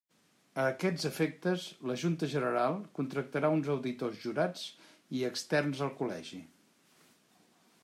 A aquests efectes, la Junta General contractarà uns auditors jurats i externs al Col·legi.